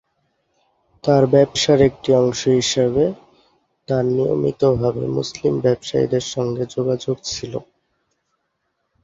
তার ব্যবসার একটি অংশ হিসাবে, তার নিয়মিতভাবে মুসলিম ব্যবসায়ীদের সঙ্গে যোগাযোগ ছিল।